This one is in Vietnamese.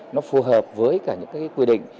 nó phù hợp với cả những quy định